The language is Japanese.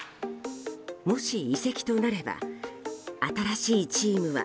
もし移籍となれば新しいチームは？